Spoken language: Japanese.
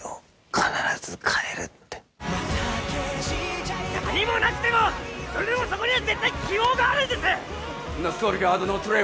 必ず帰るって何もなくてもそれでもそこには絶対希望があるんです！